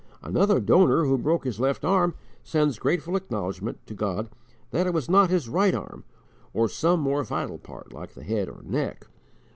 Another donor, who broke his left arm, sends grateful acknowledgment to God that it was not the right arm, or some more vital part like the head or neck.